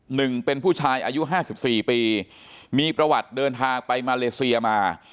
หนึ่งเป็นผู้ชายอายุห้าสิบสี่ปีมีประวัติเดินทางไปมาเลเซียมา